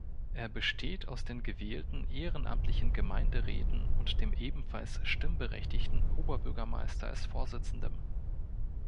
Er besteht aus den gewählten ehrenamtlichen Gemeinderäten und dem ebenfalls stimmberechtigten Oberbürgermeister als Vorsitzendem.